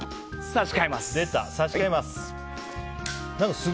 差し替えます。